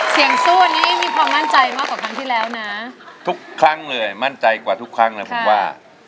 เสียงสู้นี้มีความมั่นใจมากกว่าครั้งที่แล้วนะทุกครั้งเลยมั่นใจกว่าทุกครั้งเลยผมว่า